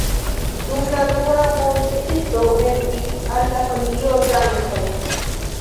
Dum la dua mondmilito helpis al la familio Zamenhof.